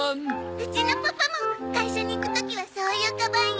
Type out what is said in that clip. うちのパパも会社に行く時はそういうカバンよ。